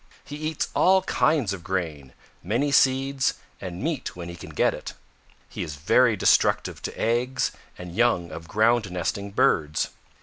He eats all kinds of grain, many seeds, and meat when he can get it. He is very destructive to eggs and young of ground nesting birds.